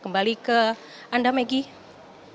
kembali ke anda maggie